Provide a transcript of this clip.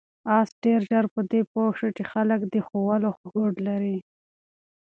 آس ډېر ژر په دې پوه شو چې خلک یې د ښخولو هوډ لري.